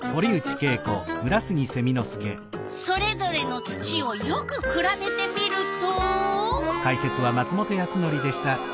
それぞれの土をよくくらべてみると。